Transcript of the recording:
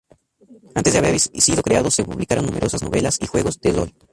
Antes de haber sido creado se publicaron numerosas novelas y juegos de rol.